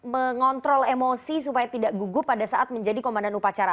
mengontrol emosi supaya tidak gugup pada saat menjadi komandan upacara